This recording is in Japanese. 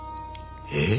えっ？